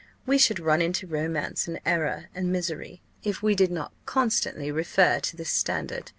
We should run into romance, and error, and misery, if we did not constantly refer to this standard.